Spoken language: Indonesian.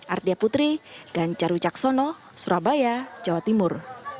ardia putri ganjaru caksono surabaya jawa timur